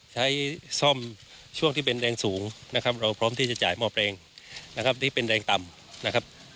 ใช้ซ่อมช่วงที่เป็นแรงสูงเราพร้อมที่จะจ่ายหม้อแปลงที่เป็นแรงต่ำ